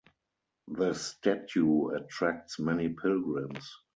The statue attracts many pilgrims.